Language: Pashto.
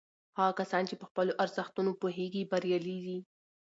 هغه کسان چې په خپلو ارزښتونو پوهیږي بریالي دي.